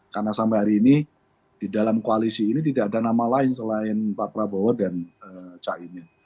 karena sampai hari ini di dalam koalisi ini tidak ada nama lain selain pak prabowo dan cahin